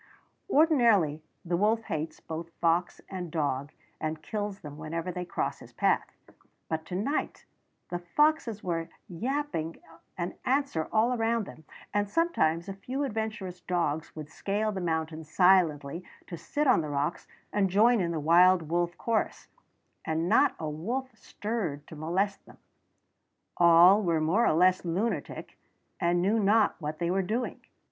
Ordinarily the wolf hates both fox and dog, and kills them whenever they cross his path; but to night the foxes were yapping an answer all around them, and sometimes a few adventurous dogs would scale the mountains silently to sit on the rocks and join in the wild wolf chorus, and not a wolf stirred to molest them. All were more or less lunatic, and knew not what they were doing.